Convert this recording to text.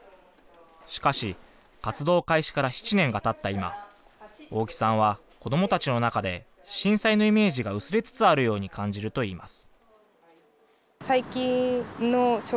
しかし、活動開始から７年がたった今、大木さんは、子どもたちの中で震災のイメージが薄れつつあるように感じるといいます。